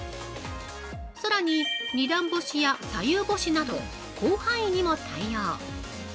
さらに、二段干しや左右干しなど広範囲にも対応。